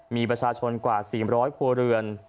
มีประชาชนกว่า๔๐๐ครัวเรือน